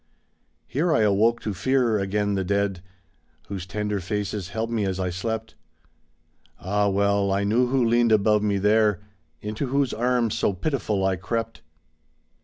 Here I awoke to fear again the dead, Whose tender faces held me as I slept. Ah, well I knew who leaned above me there. Into whose arms so pitiful I crept.